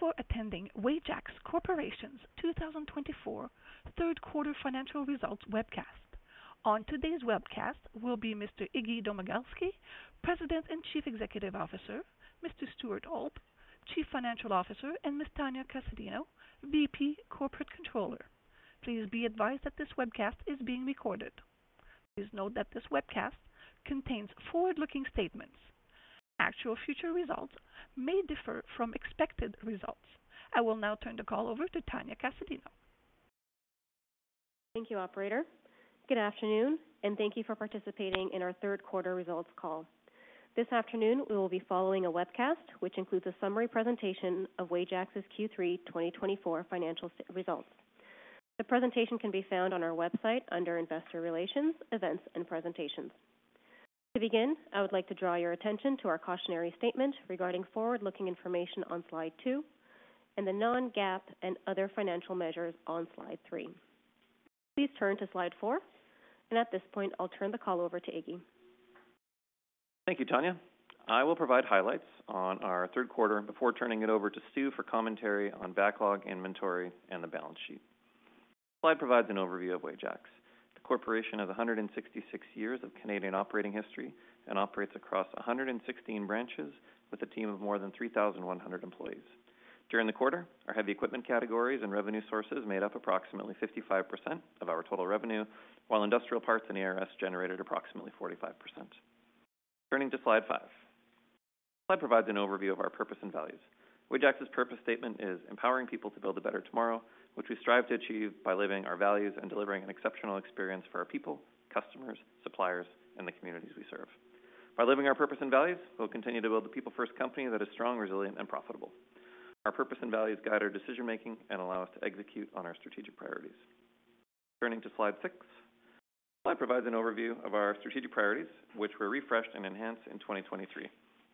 Thank you for attending Wajax Corporation's 2024 Q3 Financial Results Webcast. On today's webcast will be Mr. Iggy Domagalski, President and CEO, Mr. Stuart Auld, CFO, and Ms. Tania Casadinho, VP Corporate Controller. Please be advised that this webcast is being recorded. Please note that this webcast contains forward-looking statements. Actual future results may differ from expected results. I will now turn the call over to Tania Casadinho. Thank you, Operator. Good afternoon, and thank you for participating in our Q3 results call. This afternoon, we will be following a webcast which includes a summary presentation of Wajax's Q3 2024 financial results. The presentation can be found on our website under Investor Relations, Events, and Presentations. To begin, I would like to draw your attention to our cautionary statement regarding forward-looking information on Slide two and the non-GAAP and other financial measures on Slide three. Please turn to Slide four, and at this point, I'll turn the call over to Iggy. Thank you, Tania. I will provide highlights on our Q3 before turning it over to Stu for commentary on backlog, inventory, and the balance sheet. This slide provides an overview of Wajax. The corporation has 166 years of Canadian operating history and operates across 116 branches with a team of more than 3,100 employees. During the quarter, our heavy equipment categories and revenue sources made up approximately 55% of our total revenue, while industrial parts and ERS generated approximately 45%. Turning to Slide five, this slide provides an overview of our purpose and values. Wajax's purpose statement is "Empowering people to build a better tomorrow," which we strive to achieve by living our values and delivering an exceptional experience for our people, customers, suppliers, and the communities we serve. By living our purpose and values, we'll continue to build a people-first company that is strong, resilient, and profitable. Our purpose and values guide our decision-making and allow us to execute on our strategic priorities. Turning to Slide six, this slide provides an overview of our strategic priorities, which were refreshed and enhanced in 2023.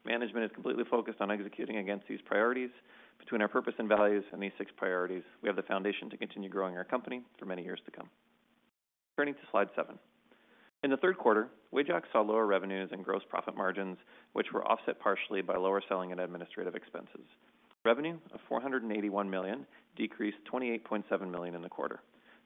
Management is completely focused on executing against these priorities. Between our purpose and values and these six priorities, we have the foundation to continue growing our company for many years to come. Turning to Slide seven, in the Q3, Wajax saw lower revenues and gross profit margins, which were offset partially by lower selling and administrative expenses. Revenue of 481 million decreased 28.7 million in the quarter.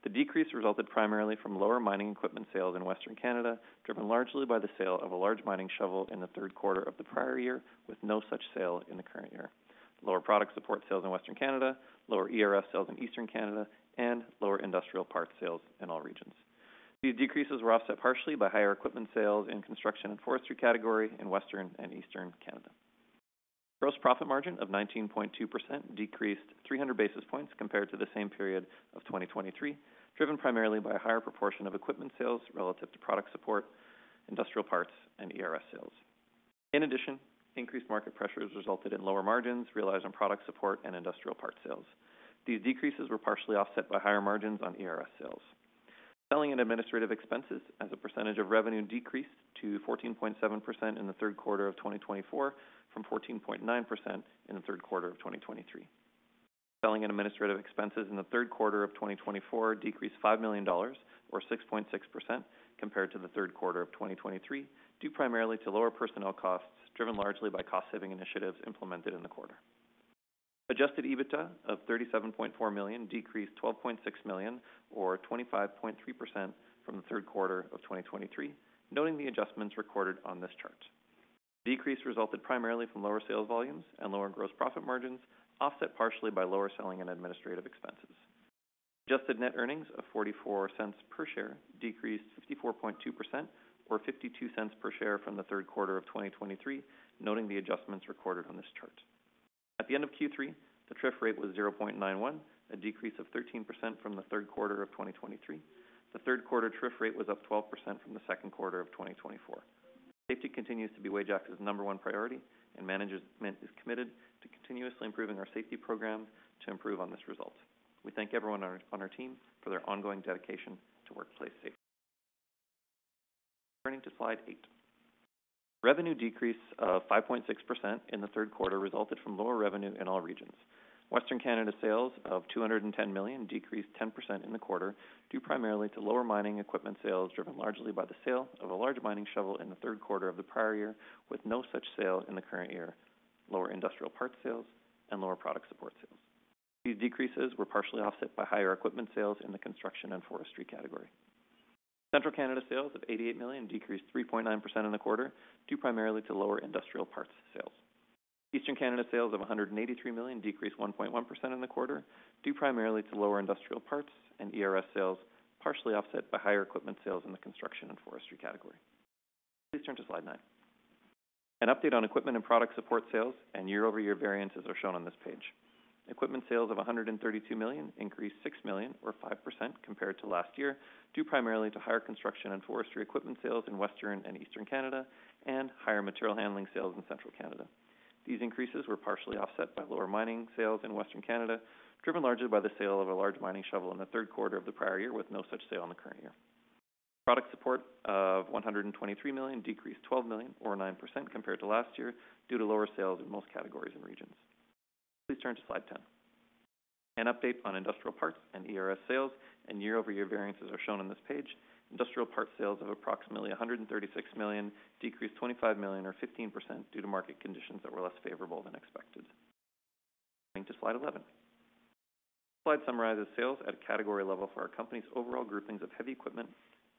The decrease resulted primarily from lower mining equipment sales in Western Canada, driven largely by the sale of a large mining shovel in the Q3 of the prior year, with no such sale in the current year. Lower product support sales in Western Canada, lower ERS sales in Eastern Canada, and lower industrial parts sales in all regions. These decreases were offset partially by higher equipment sales in construction and forestry category in Western and Eastern Canada. Gross profit margin of 19.2% decreased 300 basis points compared to the same period of 2023, driven primarily by a higher proportion of equipment sales relative to product support, industrial parts, and ERS sales. In addition, increased market pressures resulted in lower margins realized on product support and industrial parts sales. These decreases were partially offset by higher margins on ERS sales. Selling and administrative expenses, as a percentage of revenue, decreased to 14.7% in the Q3 of 2024 from 14.9% in the Q3 of 2023. Selling and administrative expenses in the Q3 of 2024 decreased 5 million dollars, or 6.6%, compared to the Q3 of 2023, due primarily to lower personnel costs driven largely by cost-saving initiatives implemented in the quarter. Adjusted EBITDA of 37.4 million decreased 12.6 million, or 25.3%, from the Q3 of 2023, noting the adjustments recorded on this chart. Decrease resulted primarily from lower sales volumes and lower gross profit margins, offset partially by lower selling and administrative expenses. Adjusted net earnings of 0.44 per share decreased 54.2%, or 0.52 per share from the Q3 of 2023, noting the adjustments recorded on this chart. At the end of Q3, the TRIF rate was 0.91, a decrease of 13% from the Q3 of 2023. The Q3 TRIF rate was up 12% from the Q2 of 2024. Safety continues to be Wajax's number one priority, and Management is committed to continuously improving our safety program to improve on this result. We thank everyone on our team for their ongoing dedication to workplace safety. Turning to Slide eight, revenue decreased 5.6% in the Q3 resulted from lower revenue in all regions. Western Canada sales of CAD 210 million decreased 10% in the quarter, due primarily to lower mining equipment sales driven largely by the sale of a large mining shovel in the Q3 of the prior year, with no such sale in the current year, lower industrial parts sales, and lower product support sales. These decreases were partially offset by higher equipment sales in the construction and forestry category. Central Canada sales of 88 million decreased 3.9% in the quarter, due primarily to lower industrial parts sales. Eastern Canada sales of 183 million decreased 1.1% in the quarter, due primarily to lower industrial parts and ERS sales, partially offset by higher equipment sales in the construction and forestry category. Please turn to Slide nine. An update on equipment and product support sales and year-over-year variances are shown on this page. Equipment sales of 132 million increased 6 million, or 5%, compared to last year, due primarily to higher construction and forestry equipment sales in Western and Eastern Canada and higher material handling sales in Central Canada. These increases were partially offset by lower mining sales in Western Canada, driven largely by the sale of a large mining shovel in the Q3 of the prior year, with no such sale in the current year. Product support of 123 million decreased 12 million, or 9%, compared to last year, due to lower sales in most categories and regions. Please turn to Slide 10. An update on industrial parts and ERS sales and year-over-year variances are shown on this page. Industrial parts sales of approximately 136 million decreased 25 million, or 15%, due to market conditions that were less favorable than expected. Turning to Slide 11, this slide summarizes sales at a category level for our company's overall groupings of heavy equipment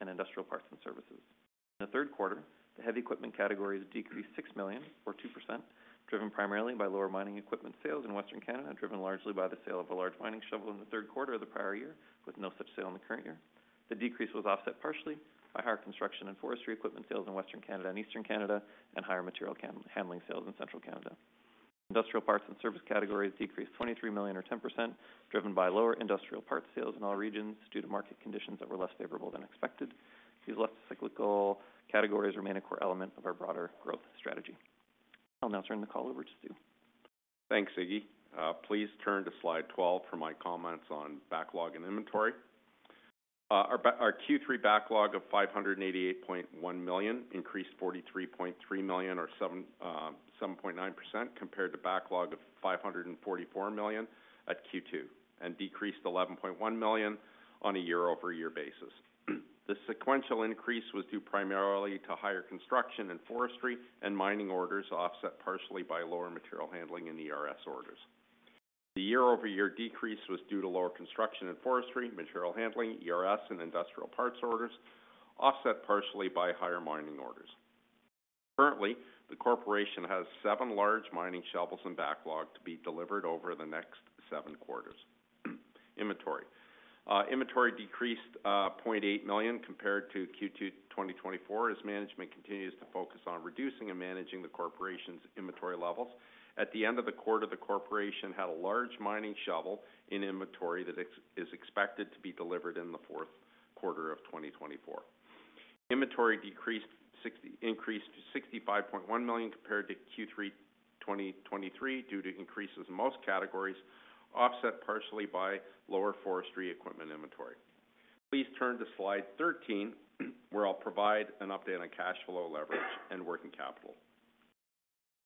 and industrial parts and services. In the Q3, the heavy equipment categories decreased 6 million, or 2%, driven primarily by lower mining equipment sales in Western Canada, driven largely by the sale of a large mining shovel in the Q3 of the prior year, with no such sale in the current year. The decrease was offset partially by higher construction and forestry equipment sales in Western Canada and Eastern Canada, and higher material handling sales in Central Canada. Industrial parts and service categories decreased 23 million, or 10%, driven by lower industrial parts sales in all regions, due to market conditions that were less favorable than expected. These less cyclical categories remain a core element of our broader growth strategy. I'll now turn the call over to Stu. Thanks, Iggy. Please turn to Slide 12 for my comments on backlog and inventory. Our Q3 backlog of 588.1 million increased 43.3 million, or 7.9%, compared to backlog of 544 million at Q2, and decreased 11.1 million on a year-over-year basis. The sequential increase was due primarily to higher construction and forestry, and mining orders offset partially by lower material handling and ERS orders. The year-over-year decrease was due to lower construction and forestry, material handling, ERS, and industrial parts orders, offset partially by higher mining orders. Currently, the corporation has seven large mining shovels in backlog to be delivered over the next seven quarters. Inventory decreased 0.8 million compared to Q2 2024, as Management continues to focus on reducing and managing the corporation's inventory levels. At the end of the quarter, the corporation had a large mining shovel in inventory that is expected to be delivered in the Q4 of 2024. Inventory decreased to 65.1 million compared to Q3 2023, due to increases in most categories, offset partially by lower forestry equipment inventory. Please turn to Slide 13, where I'll provide an update on cash flow leverage and working capital.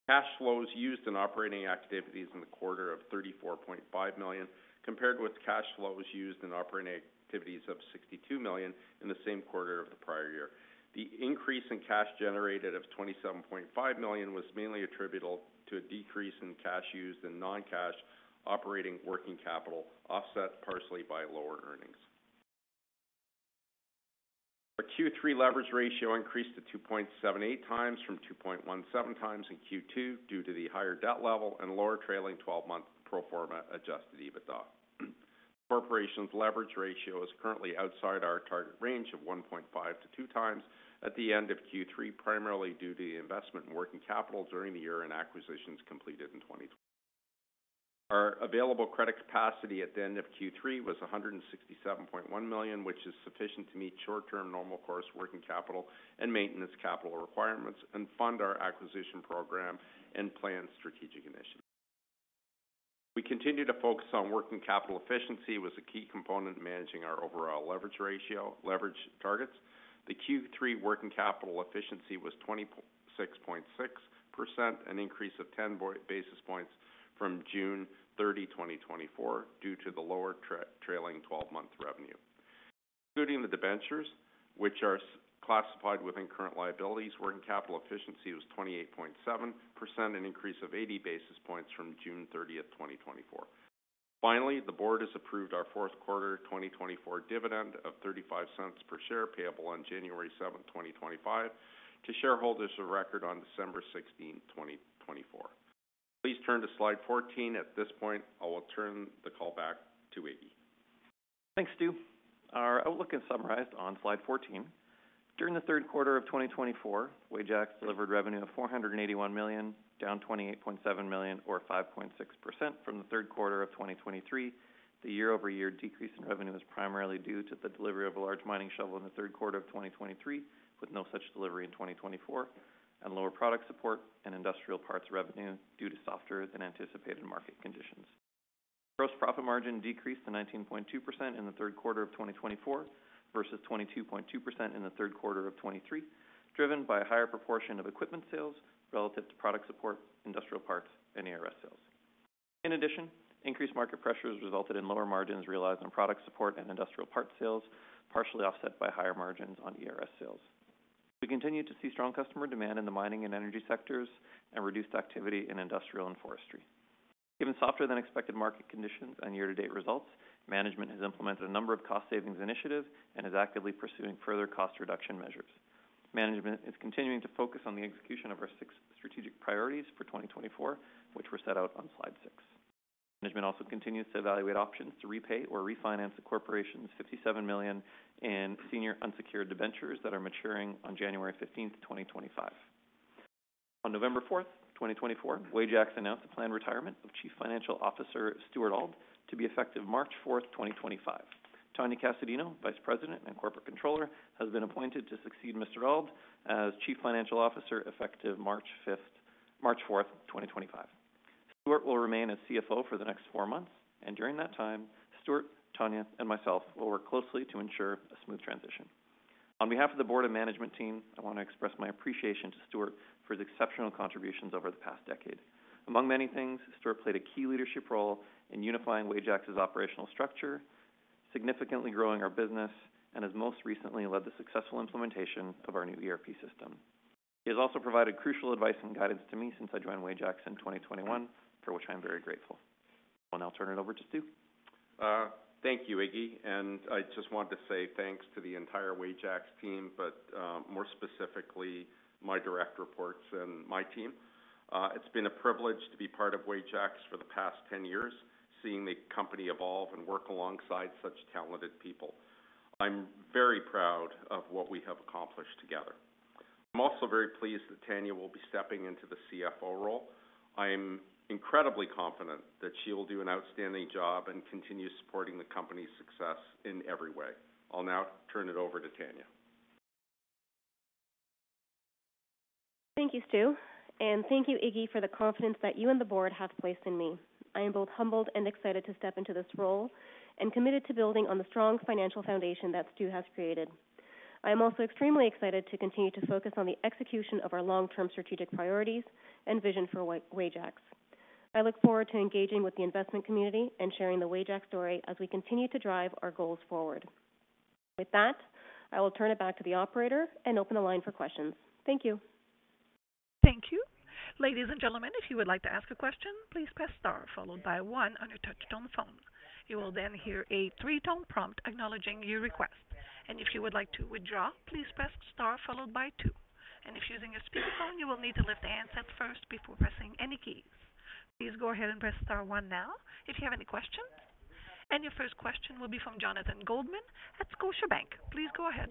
Cash flows used in operating activities in the quarter of 34.5 million compared with cash flows used in operating activities of 62 million in the same quarter of the prior year. The increase in cash generated of 27.5 million was mainly attributable to a decrease in cash used in non-cash operating working capital, offset partially by lower earnings. Our Q3 leverage ratio increased to 2.78x from 2.17x in Q2, due to the higher debt level and lower trailing 12-month pro forma adjusted EBITDA. The corporation's leverage ratio is currently outside our target range of 1.5x to 2x at the end of Q3, primarily due to the investment in working capital during the year and acquisitions completed in 2020. Our available credit capacity at the end of Q3 was 167.1 million, which is sufficient to meet short-term normal course working capital and maintenance capital requirements and fund our acquisition program and planned strategic initiatives. We continue to focus on working capital efficiency as a key component in managing our overall leverage targets. The Q3 working capital efficiency was 26.6%, an increase of 10 basis points from June 30, 2024, due to the lower trailing 12-month revenue. Including the debentures, which are classified within current liabilities, working capital efficiency was 28.7%, an increase of 80 basis points from June 30th, 2024. Finally, the Board has approved our Q4 2024 dividend of 0.35 per share, payable on January 7, 2025, to shareholders of record on December 16, 2024. Please turn to Slide 14. At this point, I will turn the call back to Iggy. Thanks, Stu. Our outlook is summarized on Slide 14. During the Q3 of 2024, Wajax delivered revenue of 481 million, down 28.7 million, or 5.6%, from the Q3 of 2023. The year-over-year decrease in revenue is primarily due to the delivery of a large mining shovel in the Q3 of 2023, with no such delivery in 2024, and lower product support and industrial parts revenue due to softer-than-anticipated market conditions. Gross profit margin decreased to 19.2% in the Q3 of 2024 versus 22.2% in the Q3 of 2023, driven by a higher proportion of equipment sales relative to product support, industrial parts, and ERS sales. In addition, increased market pressures resulted in lower margins realized on product support and industrial parts sales, partially offset by higher margins on ERS sales. We continue to see strong customer demand in the mining and energy sectors and reduced activity in industrial and forestry. Given softer-than-expected market conditions and year-to-date results, Management has implemented a number of cost-savings initiatives and is actively pursuing further cost-reduction measures. Management is continuing to focus on the execution of our six strategic priorities for 2024, which were set out on Slide 6. Management also continues to evaluate options to repay or refinance the corporation's CAD 57 million in senior unsecured debentures that are maturing on January 15th, 2025. On November 4th, 2024, Wajax announced the planned retirement of CFO Stuart Auld to be effective March 4th, 2025. Tania Casadinho, VP and Corporate Controller, has been appointed to succeed Mr. Auld as CFO effective March 4, 2025. Stuart will remain as CFO for the next four months, and during that time, Stuart, Tania, and myself will work closely to ensure a smooth transition. On behalf of the Board and Management team, I want to express my appreciation to Stuart for his exceptional contributions over the past decade. Among many things, Stuart played a key leadership role in unifying Wajax's operational structure, significantly growing our business, and has most recently led the successful implementation of our new ERP system. He has also provided crucial advice and guidance to me since I joined Wajax in 2021, for which I'm very grateful. I'll now turn it over to Stu. Thank you, Iggy and I just wanted to say thanks to the entire Wajax team, but more specifically, my direct reports and my team. It's been a privilege to be part of Wajax for the past 10 years, seeing the company evolve and work alongside such talented people. I'm very proud of what we have accomplished together. I'm also very pleased that Tania will be stepping into the CFO role. I'm incredibly confident that she will do an outstanding job and continue supporting the company's success in every way. I'll now turn it over to Tania. Thank you, Stu and thank you, Iggy for the confidence that you and the Board have placed in me. I am both humbled and excited to step into this role and committed to building on the strong financial foundation that Stu has created. I am also extremely excited to continue to focus on the execution of our long-term strategic priorities and vision for Wajax. I look forward to engaging with the investment community and sharing the Wajax story as we continue to drive our goals forward. With that, I will turn it back to the operator and open the line for questions. Thank you. Thank you. Ladies and gentlemen, if you would like to ask a question, please press star followed by one on your touch-tone phone. You will then hear a three-tone prompt acknowledging your request. And if you would like to withdraw, please press star followed by two. And if using a speakerphone, you will need to lift the handset first before pressing any keys. Please go ahead and press star one now if you have any questions. And your first question will be from Jonathan Goldman at Scotiabank. Please go ahead.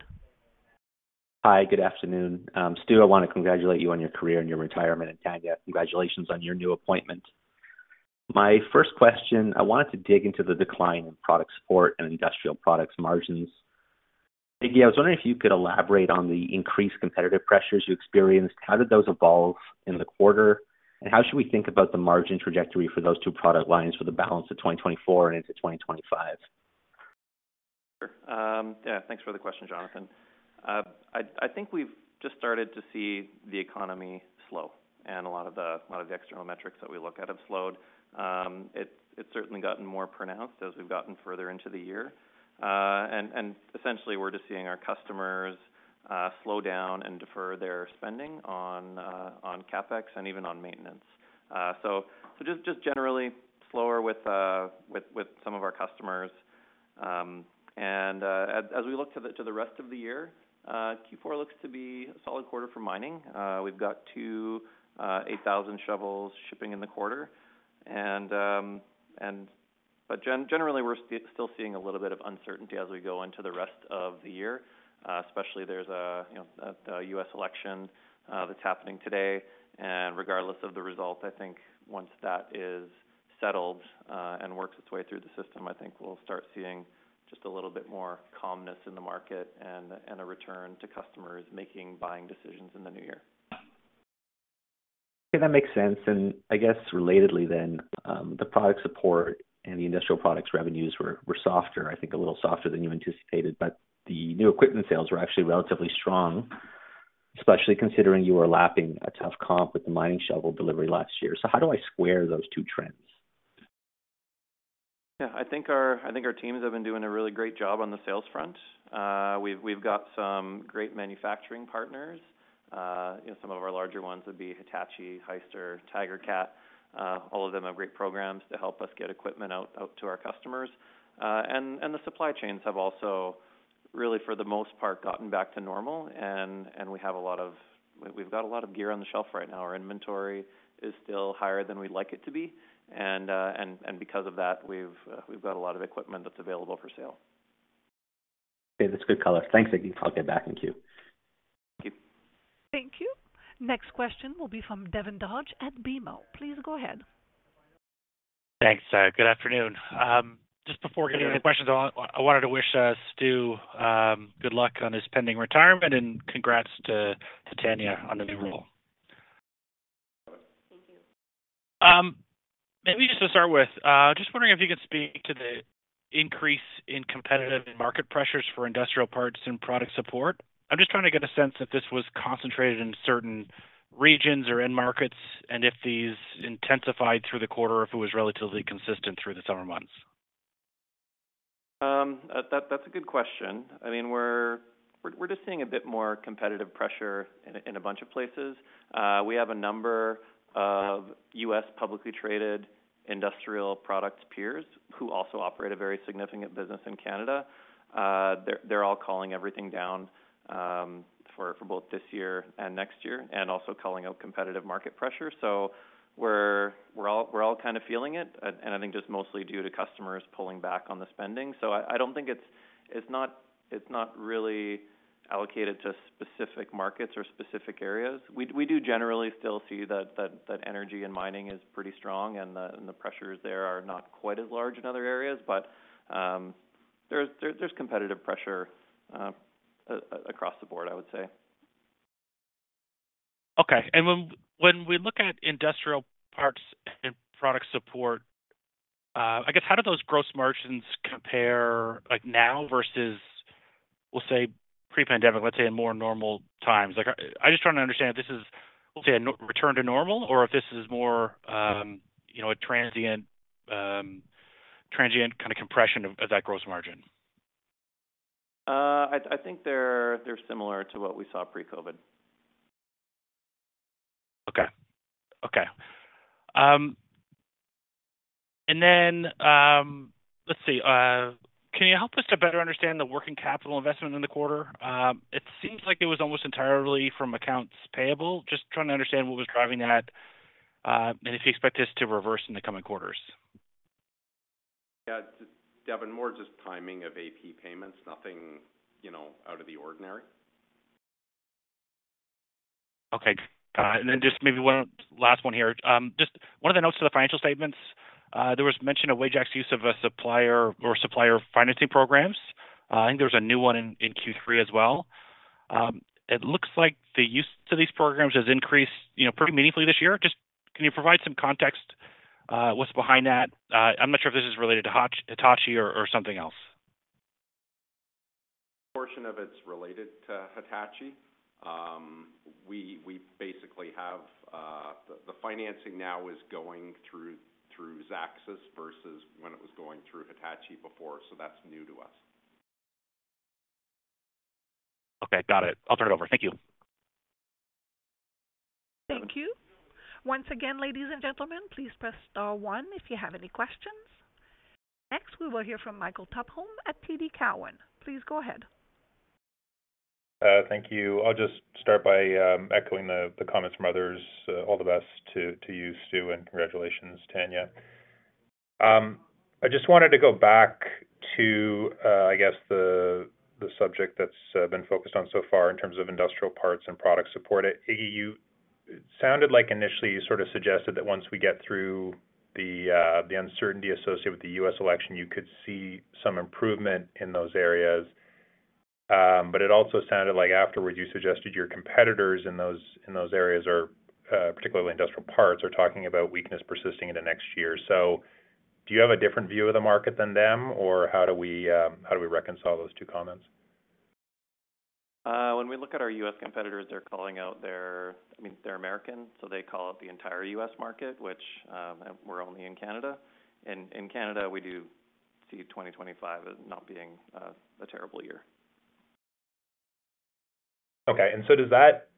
Hi, good afternoon. Stu, I want to congratulate you on your career and your retirement, and Tania, congratulations on your new appointment. My first question, I wanted to dig into the decline in product support and industrial products margins. Iggy, I was wondering if you could elaborate on the increased competitive pressures you experienced. How did those evolve in the quarter? And how should we think about the margin trajectory for those two product lines for the balance of 2024 and into 2025? Sure. Yeah, thanks for the question, Jonathan. I think we've just started to see the economy slow, and a lot of the external metrics that we look at have slowed. It's certainly gotten more pronounced as we've gotten further into the year. And essentially, we're just seeing our customers slow down and defer their spending on CapEx and even on maintenance. So just generally, slower with some of our customers and as we look to the rest of the year, Q4 looks to be a solid quarter for mining. We've got two 8,000 shovels shipping in the quarter. But generally, we're still seeing a little bit of uncertainty as we go into the rest of the year, especially there's a U.S. election that's happening today. Regardless of the result, I think once that is settled and works its way through the system, I think we'll start seeing just a little bit more calmness in the market and a return to customers making buying decisions in the new year. Okay, that makes sense. I guess relatedly then, the product support and the industrial products revenues were softer, I think a little softer than you anticipated, but the new equipment sales were actually relatively strong, especially considering you were lapping a tough comp with the mining shovel delivery last year. So how do I square those two trends? Yeah, I think our teams have been doing a really great job on the sales front. We've got some great manufacturing partners. Some of our larger ones would be Hitachi, Hyster, Tigercat. All of them have great programs to help us get equipment out to our customers. The supply chains have also really, for the most part, gotten back to normal. We've got a lot of gear on the shelf right now. Our inventory is still higher than we'd like it to be. Because of that, we've got a lot of equipment that's available for sale. Okay, that's good color. Thanks, Iggy. I'll get back in queue. Thank you. Thank you. Next question will be from Devin Dodge at BMO. Please go ahead. Thanks. Good afternoon. Just before getting into questions, I wanted to wish Stu good luck on his pending retirement and congrats to Tania on the new role. Thank you. Maybe just to start with, just wondering if you could speak to the increase in competitive market pressures for industrial parts and product support. I'm just trying to get a sense if this was concentrated in certain regions or end markets and if these intensified through the quarter or if it was relatively consistent through the summer months. That's a good question. I mean, we're just seeing a bit more competitive pressure in a bunch of places. We have a number of U.S. publicly traded industrial product peers who also operate a very significant business in Canada. They're all calling everything down for both this year and next year and also calling out competitive market pressure. So we're all kind of feeling it, and I think just mostly due to customers pulling back on the spending. So I don't think it's not really allocated to specific markets or specific areas. We do generally still see that energy and mining is pretty strong, and the pressures there are not quite as large in other areas, but there's competitive pressure across the board, I would say. Okay. And when we look at industrial parts and product support, I guess, how do those gross margins compare now versus, we'll say, pre-pandemic, let's say, in more normal times? I just want to understand if this is, we'll say, a return to normal or if this is more a transient kind of compression of that gross margin. I think they're similar to what we saw pre-COVID. Okay. Okay, and then let's see. Can you help us to better understand the working capital investment in the quarter? It seems like it was almost entirely from accounts payable. Just trying to understand what was driving that and if you expect this to reverse in the coming quarters. Yeah, Devin, more just timing of AP payments, nothing out of the ordinary. Okay. And then just maybe one last one here. Just one of the notes to the financial statements, there was mention of Wajax's use of a supplier financing programs. I think there was a new one in Q3 as well. It looks like the use of these programs has increased pretty meaningfully this year. Just can you provide some context? What's behind that? I'm not sure if this is related to Hitachi or something else. A portion of it's related to Hitachi. We basically have the financing now is going through Zaxis versus when it was going through Hitachi before, so that's new to us. Okay, got it. I'll turn it over. Thank you. Thank you. Once again, ladies and gentlemen, please press star one if you have any questions. Next, we will hear from Michael Tupholme at TD Cowen. Please go ahead. Thank you. I'll just start by echoing the comments from others. All the best to you, Stu, and congratulations, Tania. I just wanted to go back to, I guess, the subject that's been focused on so far in terms of industrial parts and product support. Iggy, you sounded like initially you sort of suggested that once we get through the uncertainty associated with the U.S. election, you could see some improvement in those areas, but it also sounded like afterward you suggested your competitors in those areas, particularly industrial parts, are talking about weakness persisting into next year, so do you have a different view of the market than them, or how do we reconcile those two comments? When we look at our U.S. competitors, they're calling out their I mean, they're American, so they call out the entire U.S. market, which we're only in Canada. In Canada, we do see 2025 as not being a terrible year. Okay. And so does that,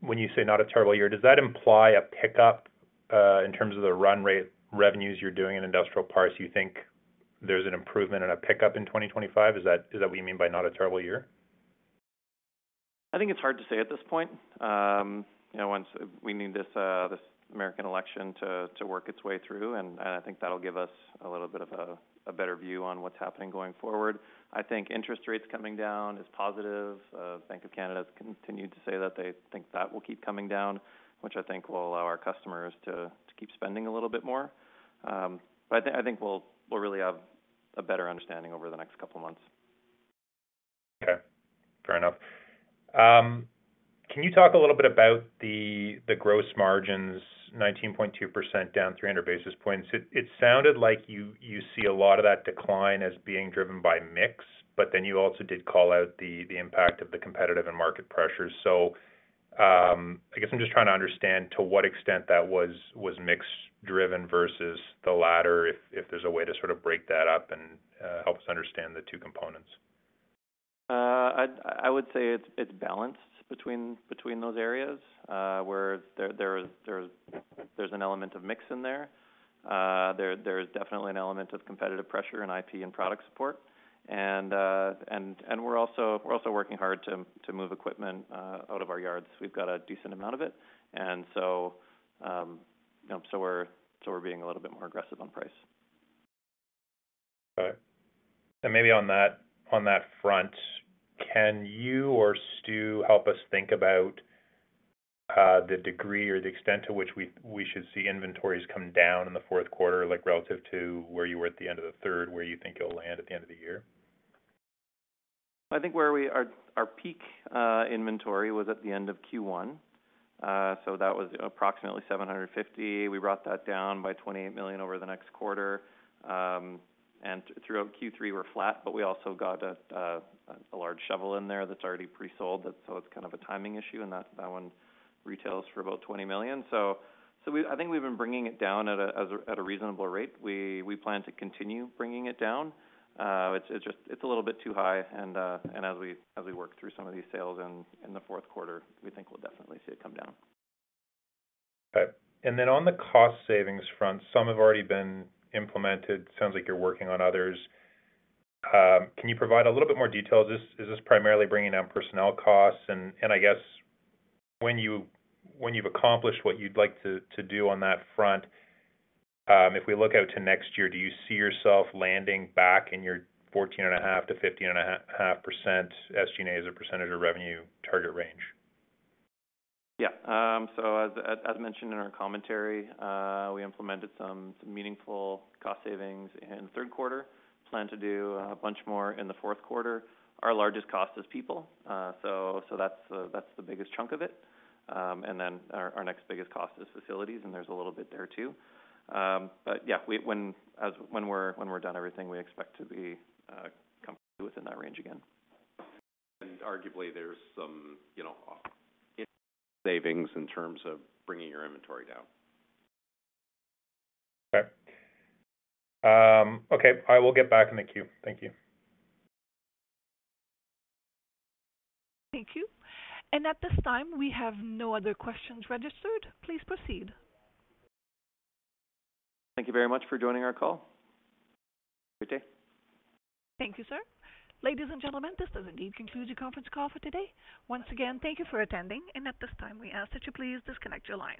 when you say not a terrible year, does that imply a pickup in terms of the run rate revenues you're doing in industrial parts? You think there's an improvement and a pickup in 2025? Is that what you mean by not a terrible year? I think it's hard to say at this point. We need this American election to work its way through, and I think that'll give us a little bit of a better view on what's happening going forward. I think interest rates coming down is positive. Bank of Canada has continued to say that they think that will keep coming down, which I think will allow our customers to keep spending a little bit more. But I think we'll really have a better understanding over the next couple of months. Okay. Fair enough. Can you talk a little bit about the gross margins, 19.2% down 300 basis points? It sounded like you see a lot of that decline as being driven by mix, but then you also did call out the impact of the competitive and market pressures. So I guess I'm just trying to understand to what extent that was mix-driven versus the latter, if there's a way to sort of break that up and help us understand the two components. I would say it's balanced between those areas where there's an element of mix in there. There is definitely an element of competitive pressure in IP and product support. And we're also working hard to move equipment out of our yards. We've got a decent amount of it. And so we're being a little bit more aggressive on price. Okay. And maybe on that front, can you or Stu help us think about the degree or the extent to which we should see inventories come down in the Q4 relative to where you were at the end of the third, where you think you'll land at the end of the year? I think our peak inventory was at the end of Q1. So that was approximately 750 million. We brought that down by 28 million over the next quarter. And throughout Q3, we're flat, but we also got a large shovel in there that's already pre-sold. So it's kind of a timing issue, and that one retails for about 20 million. So I think we've been bringing it down at a reasonable rate. We plan to continue bringing it down. It's a little bit too high. And as we work through some of these sales in the Q4, we think we'll definitely see it come down. Okay and then on the cost savings front, some have already been implemented. Sounds like you're working on others. Can you provide a little bit more detail? Is this primarily bringing down personnel costs? And I guess when you've accomplished what you'd like to do on that front, if we look out to next year, do you see yourself landing back in your 14.5%-15.5% SG&A as a percentage of revenue target range? Yeah. So as mentioned in our commentary, we implemented some meaningful cost savings in the Q3. Plan to do a bunch more in the Q4. Our largest cost is people. So that's the biggest chunk of it. And then our next biggest cost is facilities, and there's a little bit there too. But yeah, when we're done everything, we expect to be comfortably within that range again. Arguably, there's some savings in terms of bringing your inventory down. Okay. Okay. All right. We'll get back in the queue. Thank you. Thank you and at this time, we have no other questions registered. Please proceed. Thank you very much for joining our call. Have a great day. Thank you, sir. Ladies and gentlemen, this does indeed conclude your conference call for today. Once again, thank you for attending. And at this time, we ask that you please disconnect your line.